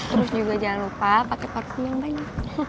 terus juga jangan lupa pake paku yang banyak